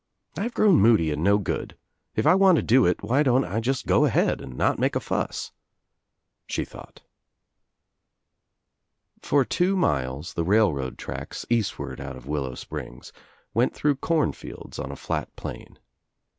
"I've grown moody and no good. If I want to do it why don't I just go ahead and not make a fuss," she thought. For two miles the railroad tracks, eastward out of Willow Springs, went through corn fields on a flat plain.